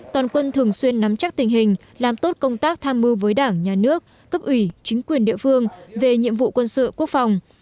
toàn quân thường xuyên nắm chắc tình hình làm tốt công tác tham mưu với đảng nhà nước cấp ủy chính quyền địa phương về nhiệm vụ quân sự quốc phòng